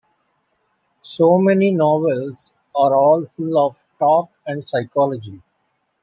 So many novels are all full of talk and psychology.